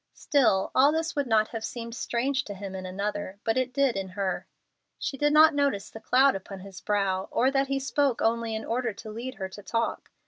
Still all this would not have seemed strange to him in another, but it did in her. She did not notice the cloud upon his brow, or that he spoke only in order to lead her to talk.